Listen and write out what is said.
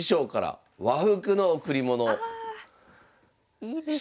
いいですねえ。